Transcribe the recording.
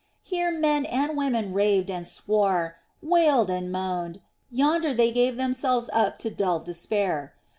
Here men and women raved and swore, wailed and moaned, yonder they gave themselves up to dull despair.